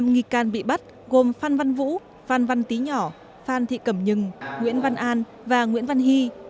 năm nghi can bị bắt gồm phan văn vũ phan văn tí nhỏ phan thị cẩm nhừng nguyễn văn an và nguyễn văn hy